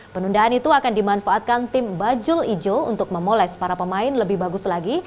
penundaan itu akan dimanfaatkan tim bajul ijo untuk memoles para pemain lebih bagus lagi